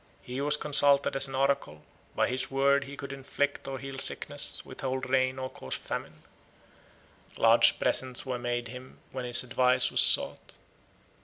He was consulted as an oracle; by his word he could inflict or heal sickness, withhold rain, and cause famine. Large presents were made him when his advice was sought.